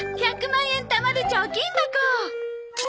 １００万円たまる貯金箱！